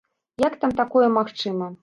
Як там такое магчыма?!